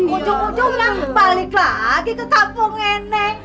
ujung ujungnya balik lagi ke kampung ini